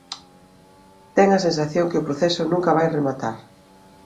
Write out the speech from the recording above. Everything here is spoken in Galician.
Ten a sensación que o proceso nunca vai rematar.